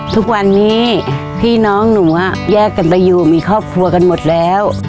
ทุกวันนี้พี่น้องหนูแยกกันไปอยู่มีครอบครัวกันหมดแล้ว